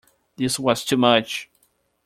This was too much.